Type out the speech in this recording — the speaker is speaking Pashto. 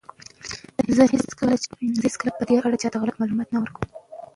زه هیڅکله په دې اړه چاته غلط معلومات نه ورکوم.